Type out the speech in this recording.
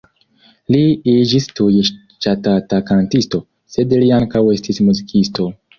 Li iĝis tuj ŝatata kantisto, sed li ankaŭ estis muzikisto.